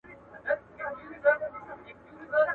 زه کولای سم ونې ته اوبه ورکړم!؟